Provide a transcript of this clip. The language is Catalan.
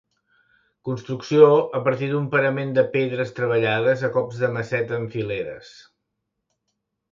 Construcció a partir d'un parament de pedres treballades a cops de maceta en fileres.